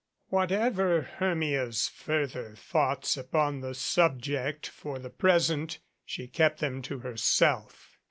Whatever Hermia's further thoughts upon the sub ject, for the present she kept them to herself.